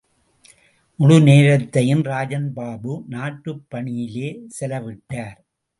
முழு நேரத்தையும் ராஜன் பாபு நாட்டுப் பணியிலேயே செலவிட்டார்.